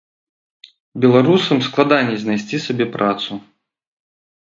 Беларусам складаней знайсці сабе працу.